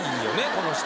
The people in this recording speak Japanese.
この人。